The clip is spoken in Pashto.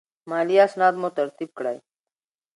مالي اسناد مو ترتیب کړئ.